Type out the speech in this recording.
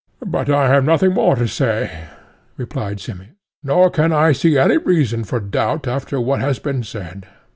But I have nothing more to say, replied Simmias; nor can I see any reason for doubt after what has been said.